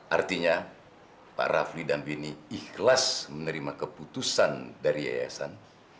artinya pak rafli dan bini ikhlas menerima keputusan dari yayasan